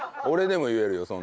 俺でも言えるよ